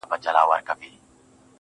فلسفې نغښتي دي.